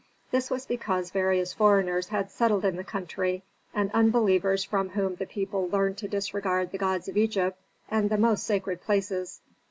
This was because various foreigners had settled in the country and unbelievers from whom the people learned to disregard the gods of Egypt and the most sacred places.